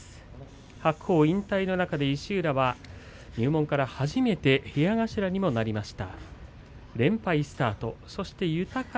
白鵬引退の中で石浦が入門から初めて部屋頭にもなりました。